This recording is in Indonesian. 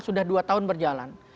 sudah dua tahun berjalan